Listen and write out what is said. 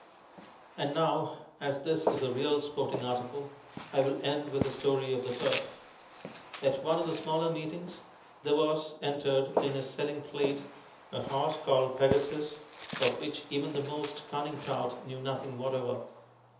And now, as this is a real sporting article, I will end with a story of the Turf. At one of the smaller meetings there was entered in a selling plate a horse called Pegasus, of which even the most cunning tout knew nothing whatever.